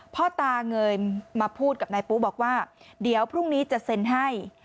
พ่อตาเงยมาพูดกับนายปุ๊บอกว่าเดี๋ยวพรุ่งนี้จะเซ็นให้